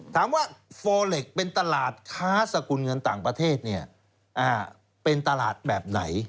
ถามว่าโฟเล็กเป็นตลาดค้าสกุลเงินต่างประเทศเป็นตลาดแบบไหน